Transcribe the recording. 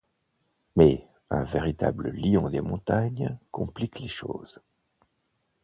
Mais un véritable lion des montagnes complique les choses.